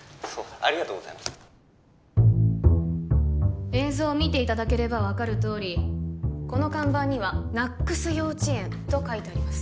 ありがとうございます映像を見ていただければ分かるとおりこの看板には「奈ッ楠幼稚園」と書いてあります